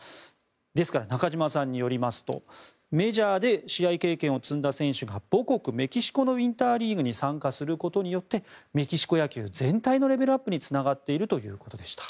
ですから中島さんによりますとメジャーで試合経験を積んだ選手が母国メキシコのウィンターリーグに参加することによってメキシコ野球全体のレベルアップにつながっているということでした。